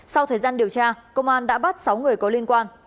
sau thời gian điều tra công an đã bắt sáu người có liên quan